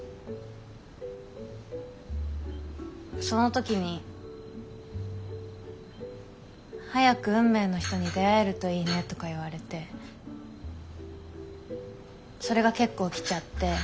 その時に「早く運命の人に出会えるといいね」とか言われてそれが結構きちゃって。